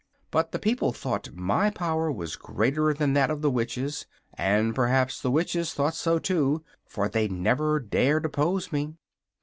But the people thought my power was greater than that of the Witches; and perhaps the Witches thought so too, for they never dared oppose me.